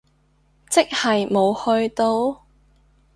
即係冇去到？